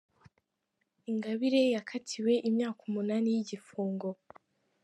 Ingabire yakatiwe imyaka umunani y’igifungo